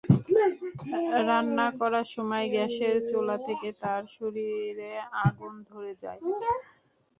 রান্না করার সময় গ্যাসের চুলা থেকে তাঁর শরীরে আগুন ধরে যায়।